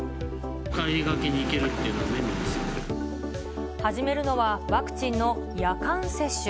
帰りがけに行けるっていうの始めるのは、ワクチンの夜間接種。